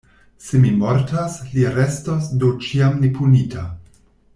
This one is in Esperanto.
Se mi mortas, li restos do ĉiam nepunita.